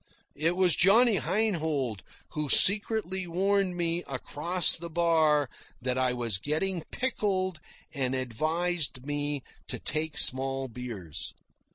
It was Johnny Heinhold who secretly warned me across the bar that I was getting pickled and advised me to take small beers.